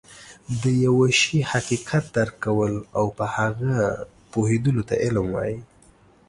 د يوه شي حقيقت درک کول او په هغه پوهيدلو ته علم وایي